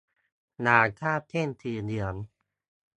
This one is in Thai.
อย่าข้ามเส้นสีเหลือง